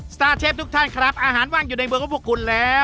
สตาร์เชฟทุกท่านครับอาหารว่างอยู่ในเมืองของพวกคุณแล้ว